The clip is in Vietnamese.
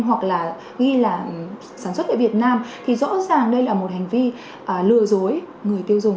hoặc là ghi là sản xuất tại việt nam thì rõ ràng đây là một hành vi lừa dối